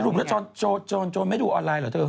สรุปนะโจรไม่ดูออนไลน์หรือเถอะ